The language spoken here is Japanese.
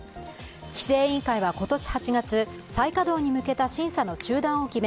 規制委員会は今年８月、再稼働に向けた審査の中断を決め